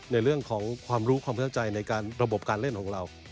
ในเรื่องของความรู้ความเข้าใจในระบบการเล่นของเรา